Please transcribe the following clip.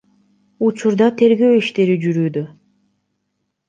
Учурда тергөө иштери жүрүүдө.